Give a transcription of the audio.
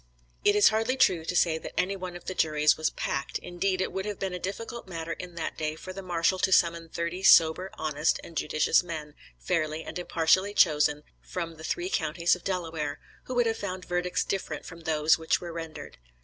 It is hardly true to say that any one of the juries was packed, indeed, it would have been a difficult matter in that day for the Marshal to summon thirty sober, honest, and judicious men, fairly and impartially chosen from the three counties of Delaware, who would have found verdicts different from those which were rendered.